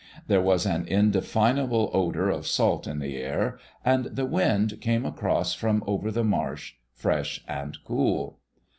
There was an indefinable odor of salt in the air, and the wind came across from over the marsh, fresh and cool.